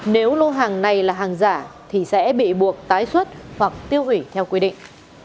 nếu lô hàng này là hàng giả thì sẽ bị buộc tái xuất hoặc tiêu hủy theo quy định